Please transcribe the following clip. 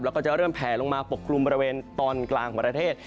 แล้วก็จะเริ่มแผลลงมาปกกลุ่มบริเวณตอนกลางของประเทศ